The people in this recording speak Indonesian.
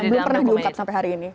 belum pernah diungkap sampai hari ini